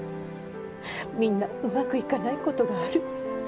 みんなうまくいかないことがある。